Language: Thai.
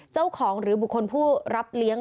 เจ้าของหรือบุคคลผู้รับเลี้ยง